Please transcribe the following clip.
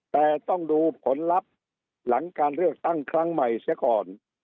แต่ต้องดูผลลัพธ์หลังการเลือกตั้งครั้งใหม่เสียก่อน